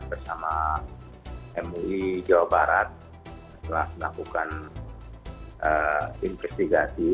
bersama mui jawa barat telah melakukan investigasi